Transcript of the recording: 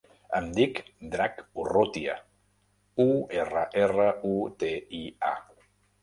Em dic Drac Urrutia: u, erra, erra, u, te, i, a.